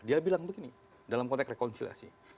dia bilang begini dalam konteks rekonsiliasi